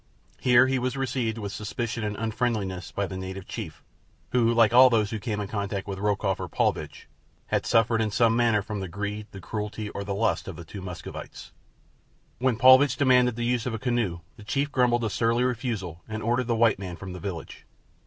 Here he was received with suspicion and unfriendliness by the native chief, who, like all those who came in contact with Rokoff or Paulvitch, had suffered in some manner from the greed, the cruelty, or the lust of the two Muscovites. When Paulvitch demanded the use of a canoe the chief grumbled a surly refusal and ordered the white man from the village.